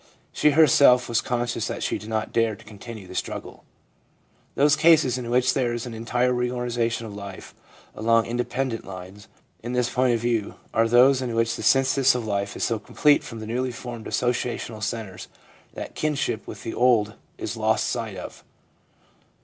She herself was con scious that she did not dare to continue the struggle. Those cases in which there is an entire reorganisation of life along independent lines, in this point of view, are those in which the synthesis of life is so complete from the newly formed associational centres that kinship with the old is lost sight of.